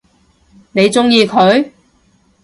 你鍾意佢？